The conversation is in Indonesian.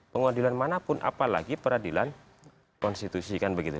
pengadilan manapun apalagi peradilan konstitusi kan begitu